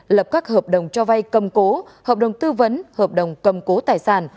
lập các hợp đồng cho vay cầm cố hợp đồng tư vấn hợp đồng cầm cố tài sản